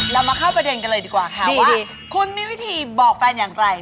เรามาเข้าประเด็นกันเลยดีกว่าค่ะคุณมีวิธีบอกแฟนอย่างไร